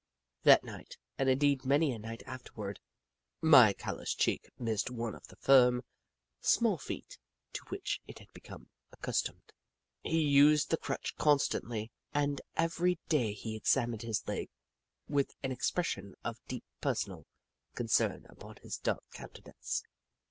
That night, and indeed many a night afterward, my cal 1 1 6 The Book of Clever Beasts loused cheek missed one of the firm, small feet to which it had become accustomed. He used the crutch constantly, and every day he examined his leg with an expression of deep personal concern upon his dark counte nance.